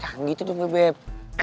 jangan gitu beb